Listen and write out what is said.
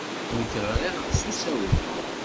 Nekk ɣriɣ-d s usawal.